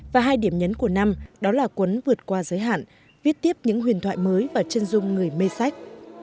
và hai điểm nhấn của năm đó là quấn vượt qua giới hạn viết tiếp những huyền thoại mới và chân dung người mê sách